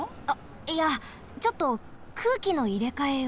あっいやちょっと空気のいれかえを。